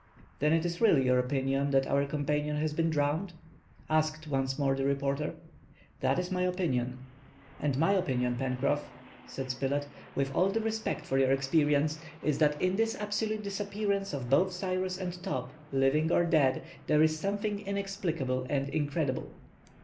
"Then it is really your opinion that our companion has been drowned?" asked, once more, the reporter. "That is my opinion." "And my opinion, Pencroff," said Spilett, "with all respect for your experience, is, that in this absolute disappearance of both Cyrus and Top, living or dead, there is something inexplicable and incredible."